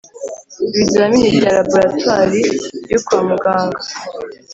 Ibizamini bya laboratwari yo kwa muganga